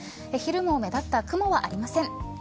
昼も目立った雲はありません。